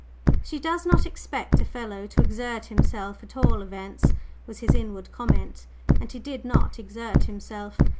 "She does not expect a fellow to exert himself, at all events," was his inward comment; and he did not exert himself.